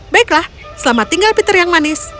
baiklah selamat tinggal peter yang manis